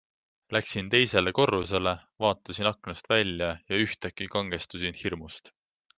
Läksin teisele korrusele, vaatasin aknast välja ja ühtäkki kangestusin hirmust.